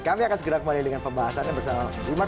kami akan segera kembali dengan pembahasannya bersama imar